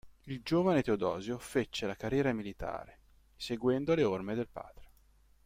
Il giovane Teodosio fece la carriera militare, seguendo le orme del padre.